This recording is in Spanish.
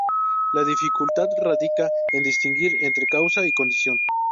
La dificultad radica en distinguir entre causa y condición.